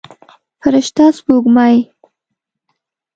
فرشته سپوږمۍ